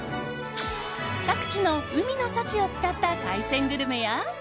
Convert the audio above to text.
各地の海の幸を使った海鮮グルメや。